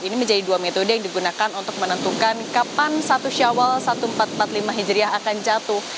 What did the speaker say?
ini menjadi dua metode yang digunakan untuk menentukan kapan satu syawal seribu empat ratus empat puluh lima hijriah akan jatuh